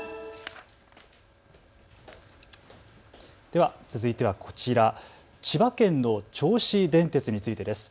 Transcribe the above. では続いてはこちら千葉県の銚子電鉄についてです。